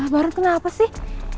baru kenapa sih